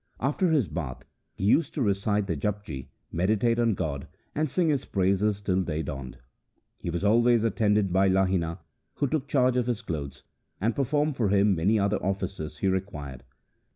After his bath, he used to recite the Japji, meditate on God, and sing His praises till day dawned. He was always attended by Lahina, who took charge of his clothes, and performed for him any other offices he required.